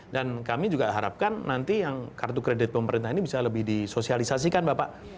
dan kami juga harapkan nanti yang kartu kredit pemerintah ini bisa lebih disosialisasikan bapak